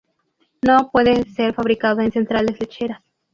No puede ser fabricado en centrales lecheras.